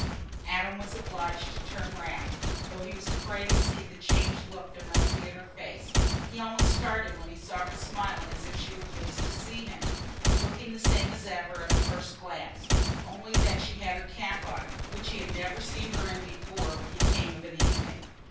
Adam was obliged to turn round, though he was afraid to see the changed look there must be in her face. He almost started when he saw her smiling as if she were pleased to see him—looking the same as ever at a first glance, only that she had her cap on, which he had never seen her in before when he came of an evening.